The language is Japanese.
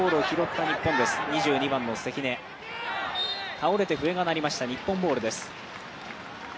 倒れて笛が鳴りました、日本ボールです。